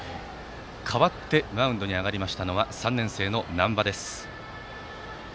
代わってマウンドに上がったのは３年生の難波です。